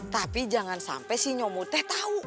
tapi jangan sampai si nyomu teh tahu